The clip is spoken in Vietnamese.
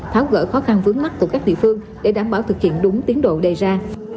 tháo gỡ khó khăn vướng mắt của các địa phương để đảm bảo thực hiện đúng tiến độ đề ra